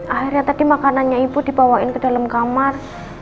akhirnya tadi makanannya ibu dibawain ke dalam kamar